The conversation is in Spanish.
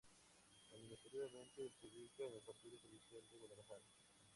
Administrativamente se ubica en el partido judicial de Guadalajara.